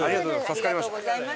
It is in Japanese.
助かりました。